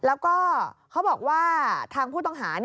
แล้วก็เขาบอกว่าทางผู้ต้องหา